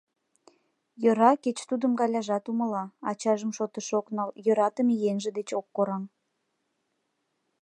Йӧра, кеч тудым Галяжат умыла, ачажым шотыш ок нал, йӧратыме еҥже деч ок кораҥ.